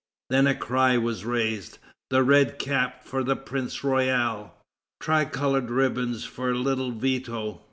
Then a cry was raised: "The red cap for the Prince Royal! Tri colored ribbons for little Veto!"